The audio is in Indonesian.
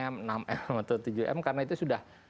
m enam m atau tujuh m karena itu sudah